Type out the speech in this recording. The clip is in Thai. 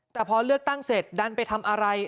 แต่พอเลือกตั้งเสร็จดันไปทำอะไร